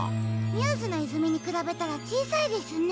ミューズのいずみにくらべたらちいさいですね。